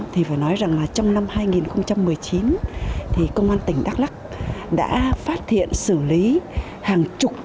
thì phải nói rằng là trong năm hai nghìn một mươi chín thì công an tỉnh đắk lắc đã phát hiện xử lý hàng chục